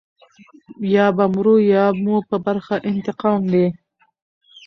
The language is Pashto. یا به مرو یا مو په برخه انتقام دی.